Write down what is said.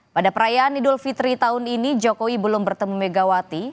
pada perayaan idul fitri tahun ini jokowi belum bertemu megawati